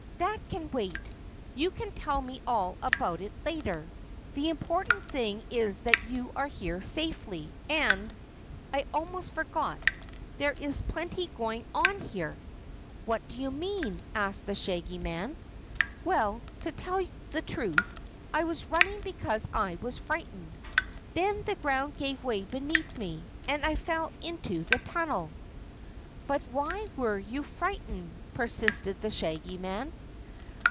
"That can wait, you can tell me all about it later. The important thing is that you are here safely and I almost forgot there is plenty going on here!" "What do you mean?" asked the Shaggy Man. "Well, to tell the truth, I was running because I was frightened. Then the ground gave way beneath me and I fell into the tunnel." "But why were you frightened?" persisted the Shaggy Man.